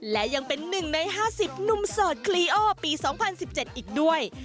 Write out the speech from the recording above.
และยังเป็นหนึ่งในห้าสิบนุ่มสดคลีโอปี๒๐๑๗อีกด้วย